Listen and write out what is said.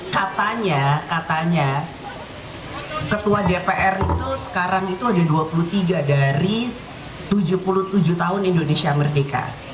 katanya katanya ketua dpr itu sekarang itu ada dua puluh tiga dari tujuh puluh tujuh tahun indonesia merdeka